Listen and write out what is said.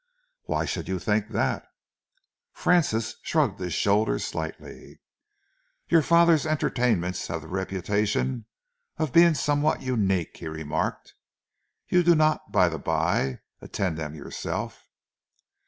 "Why should you think that?" Francis shrugged his shoulders slightly. "Your father's entertainments have the reputation of being somewhat unique," he remarked. "You do not, by the bye, attend them yourself."